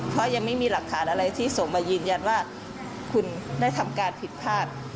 เพราะยังไม่มีหลักฐานอะไรที่ส่งมายืนยันว่าคุณได้ทำการผิดพลาด